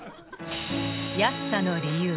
安さの理由。